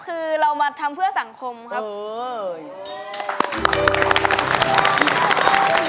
คือเรามาทำเพื่อสังคมครับ